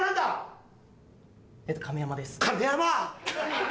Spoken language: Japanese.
亀山！